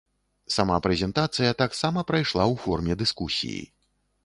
Сама прэзентацыя таксама прайшла ў форме дыскусіі.